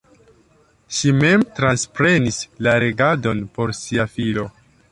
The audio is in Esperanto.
Ŝi mem transprenis la regadon por sia filo.